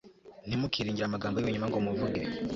Ntimukiringire amagambo y ibinyoma ngo muvuge